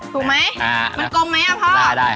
ถูกไหมมันกรมไหมละพ่อสวยเนี่ย